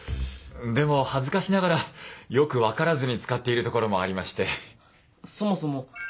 でも恥ずかしながらよく分からずに使っているところもありまして。